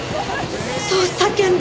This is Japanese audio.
そう叫んで。